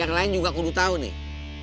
yang lain juga aku udah tahu nih